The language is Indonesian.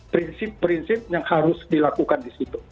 prinsip prinsip yang harus dilakukan di situ